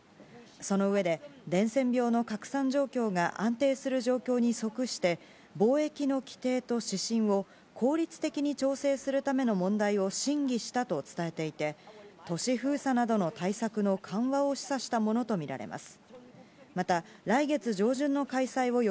その上で、伝染病の拡散状況が安定する状況に即して、防疫の規定と指針を効率的に調整するための問題を審議したと伝えていて、都市封鎖などの対策の緩和を示唆したものと見られます。